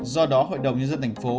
do đó hội đồng nhân dân tp hcm